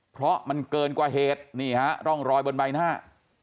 เพราะมันเกินกว่าเหตุนี่ฮะร่องรอยบนใบหน้า